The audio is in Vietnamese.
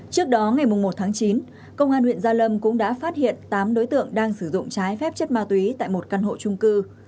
trước đó ngày một tháng chín công an huyện gia lâm cũng đã phát hiện tám đối tượng đang sử dụng trái phép chất ma túy tại một căn hộ trung cư